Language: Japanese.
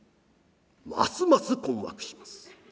ますます困惑します。